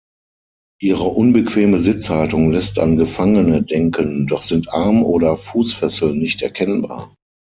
Ihre unbequeme Sitzhaltung lässt an Gefangene denken, doch sind Arm- oder Fußfesseln nicht erkennbar.